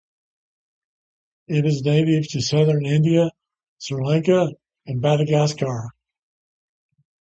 It is native to southern India, Sri Lanka, and Madagascar.